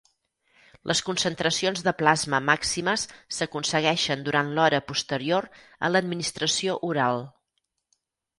Les concentracions de plasma màximes s'aconsegueixen durant l'hora posterior a l'administració oral.